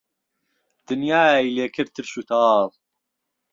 دنیای لێ کرد ترش و تاڵ